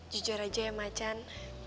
jujur aja ya macan